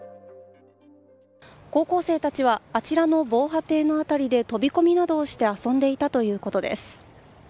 高校生たちはあちらの防波堤の辺りで飛び込みなどをして遊んでいたということです。